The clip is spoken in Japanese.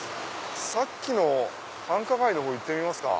さっきの繁華街のほう行ってみますか。